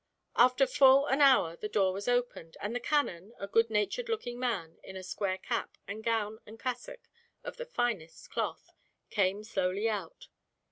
After full an hour the door was opened, and the canon, a good natured looking man, in a square cap, and gown and cassock of the finest cloth, came slowly out.